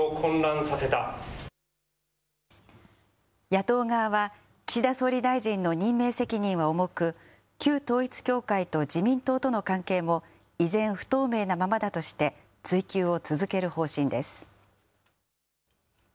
野党側は、岸田総理大臣の任命責任は重く、旧統一教会と自民党との関係も、依然不透明なままだとして、追及を続ける方針です。